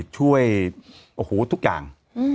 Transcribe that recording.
ช่วยโอ้โหทุกอย่าง